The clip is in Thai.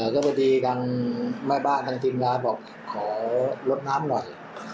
ก็พอดีทางแม่บ้านทางทีมงานบอกขอลดน้ำหน่อย